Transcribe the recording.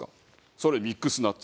それミックスナッツ。